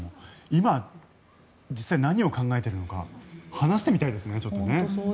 今、実際何を考えてるのかちょっと話してみたいですね。